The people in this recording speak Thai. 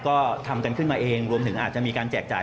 ก็ทำกันขึ้นมาเองรวมถึงอาจจะมีการแจกจ่าย